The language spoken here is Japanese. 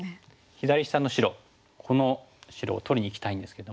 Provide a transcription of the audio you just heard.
左下の白この白を取りにいきたいんですけども。